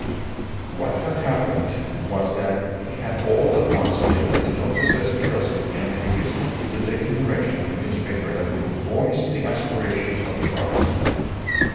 _" What had happened was that he had all at once yielded to Don Jose's pressing entreaties to take the direction of a newspaper that would "voice the aspirations of the province."